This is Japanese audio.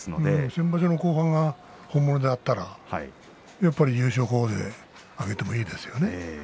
先場所の後半が本人の実力だったら優勝候補に挙げてもいいですよね。